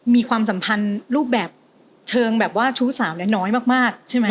ความสัมพันธ์รูปแบบเชิงแบบว่าชู้สาวและน้อยมากใช่ไหม